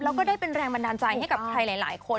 แล้วก็ได้เป็นแรงบันดาลใจให้กับใครหลายคน